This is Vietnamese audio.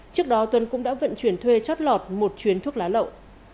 trước đó tuấn cũng đã vận chuyển thuê chót lọt một chuyến thuốc lá lậu